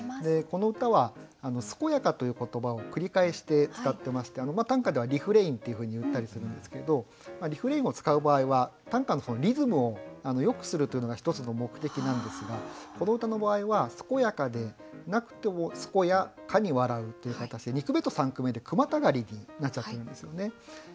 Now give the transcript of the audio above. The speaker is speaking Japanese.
この歌は「健やか」という言葉を繰り返して使ってまして短歌ではリフレインっていうふうに言ったりするんですけどリフレインを使う場合は短歌のリズムをよくするというのが１つの目的なんですがこの歌の場合は「健やかでなくとも健やかに笑う」という形で二句目と三句目で句またがりになっちゃってるんですよね。